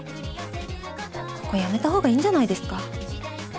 ここ辞めた方がいいんじゃないですか？